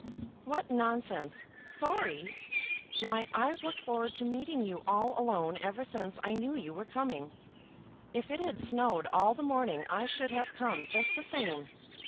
"What nonsense! Sorry! Why I've looked forward to meeting you all alone, ever since I knew you were coming. If it had snowed all the morning I should have come just the same.